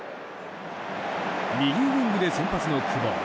右ウィングで先発の久保。